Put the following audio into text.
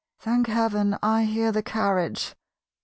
(Thank heaven, I hear the carriage!)